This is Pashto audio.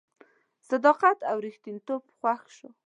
صداقت او ریښتینتوب خوښ شو.